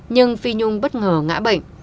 nhưng phi nhung bất ngờ ngã bệnh